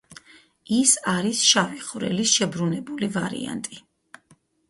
ის არის შავი ხვრელის შებრუნებული ვარიანტი.